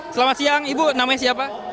selamat siang ibu namanya siapa